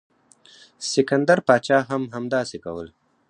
سکندر پاچا هم همداسې کول.